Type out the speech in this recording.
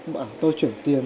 bảo tôi chuyển tiền